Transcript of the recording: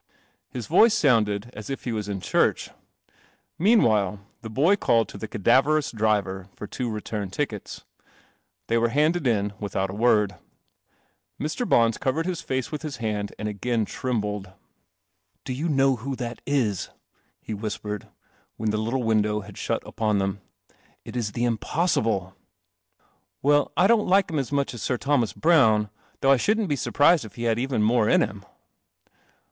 Hii ounded as it he was in church. Meanwhile, the I ithecadav i driver tor two return ticket . I !u\ were i in u ithout a word. Mr. B i vered face with hi h nd and again trembled. '"Do THE CELESTIAL OMNIBUS you know who that is !" he whispered, when the little window had shut upon them. " It is the impossible." "Well, I don't likehim as muchas SirThomas Browne, though I shouldn't be surprised if he had even more in him."